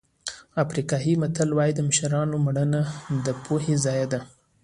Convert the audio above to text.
افریقایي متل وایي د مشرانو مړینه د پوهې ضایع ده.